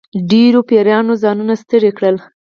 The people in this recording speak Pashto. ډېرو پیرانو ځانونه ستړي کړل.